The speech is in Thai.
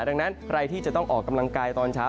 ดังนั้นใครที่จะต้องออกกำลังกายตอนเช้า